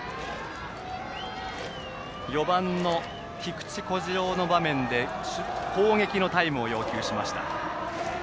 ４番の菊池虎志朗の場面で攻撃のタイムを要求しました。